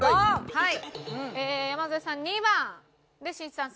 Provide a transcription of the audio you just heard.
はい。